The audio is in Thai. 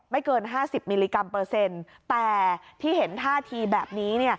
เกิน๕๐มิลลิกรัมเปอร์เซ็นต์แต่ที่เห็นท่าทีแบบนี้